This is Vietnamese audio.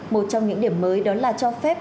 một trong những điểm mới đó là cho phép